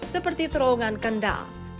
seperti terowongan kendal